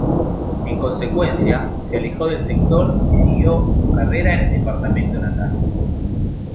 En consecuencia, se alejó del sector y siguió su carrera en el departamento natal.